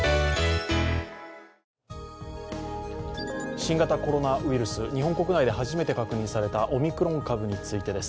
新型コロナウイルス、日本国内で初めて確認されたオミクロン株についてです。